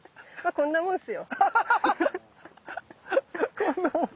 こんなもんっす。